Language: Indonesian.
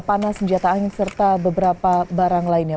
panas senjata angin serta beberapa barang lainnya